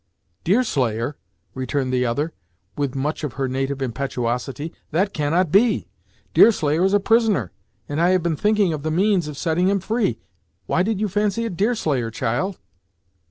"Deerslayer!" returned the other, with much of her native impetuosity "That cannot be! Deerslayer is a prisoner, and I have been thinking of the means of setting him free. Why did you fancy it Deerslayer, child?"